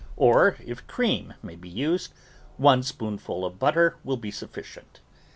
Or if cream may be used, one spoonful of but ter will be sufficient.